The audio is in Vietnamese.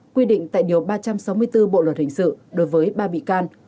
quy định tại điều ba trăm sáu mươi bốn bộ luật hình sự đối với ba bị can